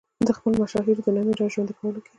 د خپلو مشاهیرو د نامې را ژوندي کولو کې.